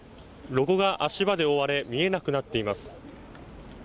ロゴが足場で覆われ見えなくなっています。